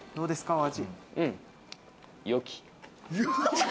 お味。